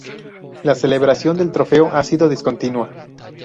La celebración del trofeo ha sido discontinua.